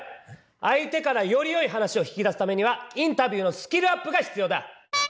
相手からよりよい話を引き出すためにはインタビューのスキルアップが必要だ！